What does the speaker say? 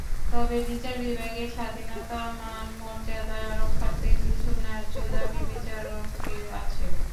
তবে বিচার বিভাগের স্বাধীনতা, মানমর্যাদা রক্ষার্থে কিছু ন্যায্য দাবি বিচারকদের আছে।